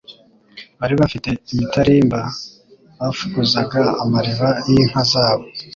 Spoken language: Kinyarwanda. Bari bafite imitarimba bafukuzaga amariba y'inka zabo.